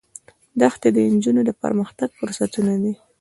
دښتې د نجونو د پرمختګ فرصتونه دي.